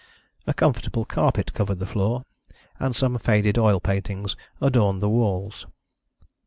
A comfortable carpet covered the floor, and some faded oil paintings adorned the walls.